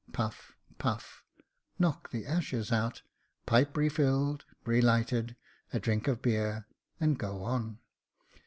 [Puff, puff — knock the ashes out, pipe refilled, relighted, a drink of beer, and go on.